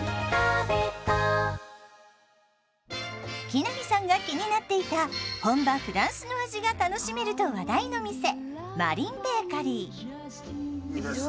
木南さんが気になっていた本場フランスの味が楽しめると話題の店ＭＡＲＩＮＥＢＡＫＥＲＹ。